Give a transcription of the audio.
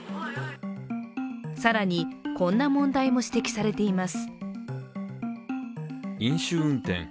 更にこんな問題も指摘されています。